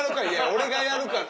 俺がやるから！